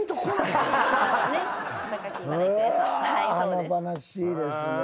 華々しいですね。